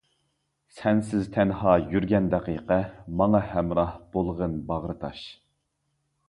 سەنسىز تەنھا يۈرگەن دەقىقە، ماڭا ھەمراھ بولغىن باغرى تاش!